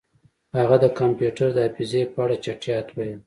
هغه د کمپیوټر د حافظې په اړه چټیات ویل